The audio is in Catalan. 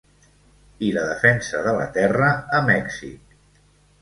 I la defensa de la terra a Mèxic.